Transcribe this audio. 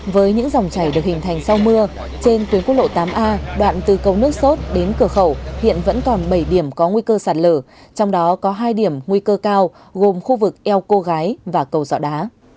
với những dòng chảy được hình thành sau mưa trên tuyến quốc lộ tám a đoạn từ cầu nước sốt đến cửa khẩu hiện vẫn còn bảy điểm có nguy cơ sạt lở trong đó có hai điểm nguy cơ cao gồm khu vực eo cô gái và cầu dọ đá